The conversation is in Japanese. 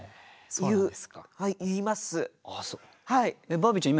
バービーちゃん